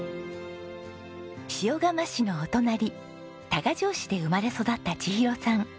塩竈市のお隣多賀城市で生まれ育った千尋さん。